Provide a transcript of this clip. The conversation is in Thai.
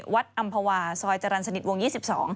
อำภาวาซอยจรรย์สนิทวง๒๒